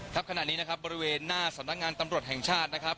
ขณะนี้นะครับบริเวณหน้าสำนักงานตำรวจแห่งชาตินะครับ